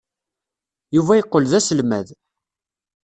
Yuba yeqqel d aselmad.